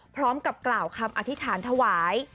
พร้อมกับกล่าวคำอธิษฐานถวาย